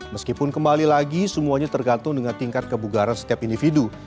meskipun kembali lagi semuanya tergantung dengan tingkat kebugaran setiap individu